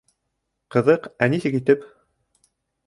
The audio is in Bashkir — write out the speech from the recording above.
— Ҡыҙыҡ, ә нисек итеп?